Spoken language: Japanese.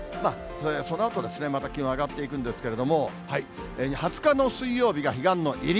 そのあと、また気温上がっていくんですけれども、２０日の水曜日が彼岸の入り。